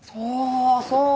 そう！